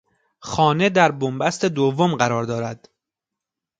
خانه در بنبست دوم قرار دارد.